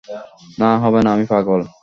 না, হবে না, আমি পাগল।